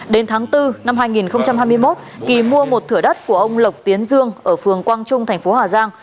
đến tháng bốn năm hai nghìn hai mươi một kỳ mua một thửa đất của ông lộc tiến dương ở phường quang trung thành phố hà giang